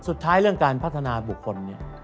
สุดท้ายเรื่องการพัฒนาบุคล